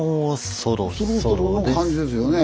そろそろの感じですよね。